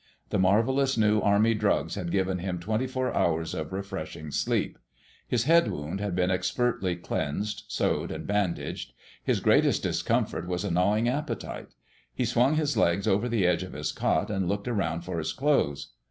The marvelous new Army drugs had given him twenty four hours of refreshing sleep. His head wound had been expertly cleansed, sewed and bandaged. His greatest discomfort was a gnawing appetite. He swung his legs over the edge of his cot and looked around for his clothes.